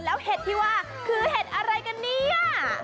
แล้วเห็ดที่ว่าคือเห็ดอะไรกันเนี่ย